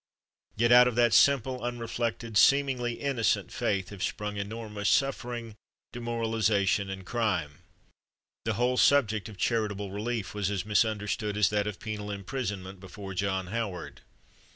Yet out of that simple, unreflecting, seemingly innocent faith, have sprung enormous suffering, demoralization, and crime. The whole subject of charitable relief was as misunderstood as that of penal imprisonment before John Howard.